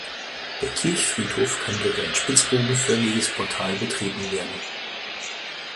Der Kirchfriedhof kann durch ein spitzbogenförmiges Portal betreten werden.